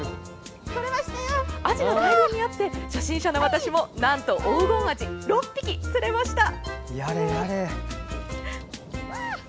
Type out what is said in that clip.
アジの大群にあって初心者の私もなんと黄金アジ６匹釣れました。